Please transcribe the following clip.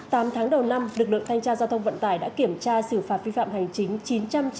tám tháng đầu năm lực lượng thanh tra giao thông vận tải đã kiểm tra xử phạt vi phạm hành chính